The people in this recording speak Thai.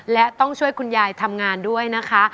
และต้องช่วยคุณยายทำงานด้วยนะคะ